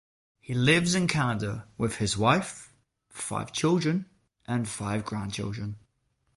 He lives in Canada with his wife, five children, and five grandchildren.